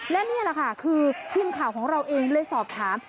และนี่แหละค่ะคือทีมข่าวของเราเองเลยสอบถาม